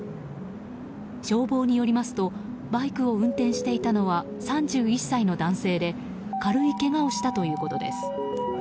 消防によりますとバイクを運転していたのは３１歳の男性で軽いけがをしたということです。